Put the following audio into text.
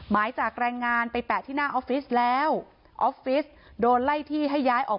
มาจ่ายค่าแรงพนักงานที่เขาทำงานให้ดีกว่าไหม